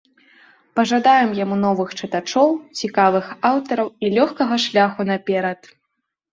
Пажадаем яму новых чытачоў, цікавых аўтараў і лёгкага шляху наперад!